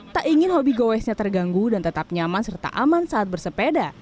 tak ingin hobi goesnya terganggu dan tetap nyaman serta aman saat bersepeda